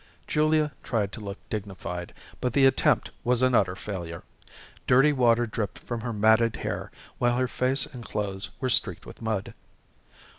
Julia tried to look dignified, but the attempt was an utter failure. Dirty water dripped from her matted hair, while her face and clothes were streaked with mud.